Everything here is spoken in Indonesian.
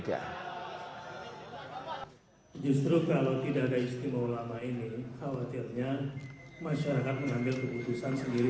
masyarakat menambil keputusan sendiri sendiri